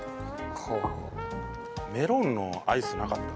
メロンのアイスなかった？